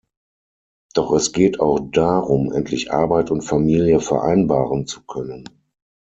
Doch es geht auch darum, endlich Arbeit und Familie vereinbaren zu können.